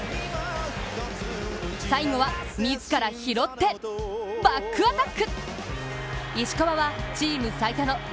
最後は自ら拾ってバックアタック！